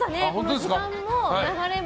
時間も流れも。